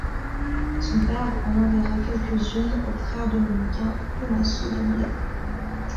Son père en enverra quelques-unes au frère dominicain Tommaso de Milan.